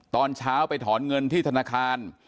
ตอนเช้าไปถอนเงินที่ธนาคาร